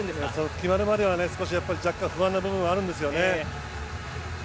決まるまでは若干不安な部分はあるんですよね。